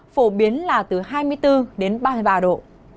phổ biến là từ hai mươi bốn đến ba mươi ba độ